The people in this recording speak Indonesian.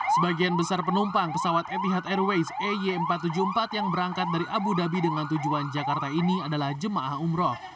sebagian besar penumpang pesawat epihak airways ey empat ratus tujuh puluh empat yang berangkat dari abu dhabi dengan tujuan jakarta ini adalah jemaah umroh